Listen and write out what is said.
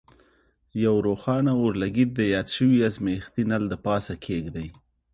یو روښانه اورلګیت د یاد شوي ازمیښتي نل له پاسه کیږدئ.